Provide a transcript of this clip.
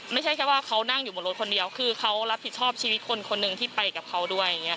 ไม่ใช่แค่ว่าเขานั่งอยู่บนรถคนเดียวคือเขารับผิดชอบชีวิตคนคนหนึ่งที่ไปกับเขาด้วยอย่างนี้